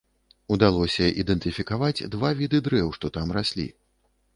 Удалося ідэнтыфікаваць два віды дрэў, што там раслі.